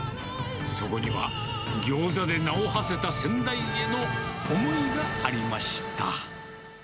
そこにはギョーザで名をはせた先代への思いがありました。